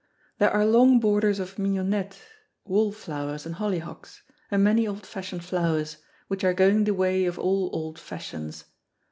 There are long borders of mignonette, wallflowers and hollyhocks, and many old fashioned flowers, which are going the way of all old fashions.